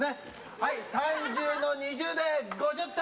はい３０の２０で５０点！